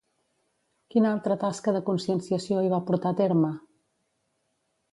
Quina altra tasca de conscienciació hi va portar a terme?